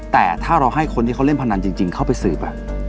แต่ถ้าเราให้คนที่เขาเล่นพนันจริงเข้าไปสืบ